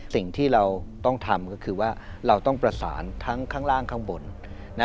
สิ่งที่เราต้องทำก็คือว่าเราต้องประสานทั้งข้างล่างข้างบน